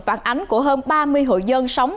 phản ánh của hơn ba mươi hội dân sống